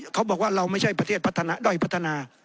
เขาบอกว่าเราไม่ใช่ประเทศพัฒนาด้อยพัฒนา